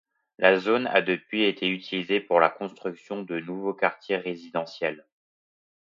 La zone a depuis été utilisée pour la construction de nouveaux quartiers résidentiels.